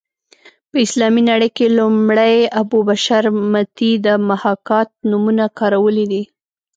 په اسلامي نړۍ کې لومړی ابو بشر متي د محاکات نومونه کارولې ده